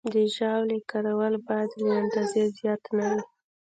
د ژاولې کارول باید له اندازې زیات نه وي.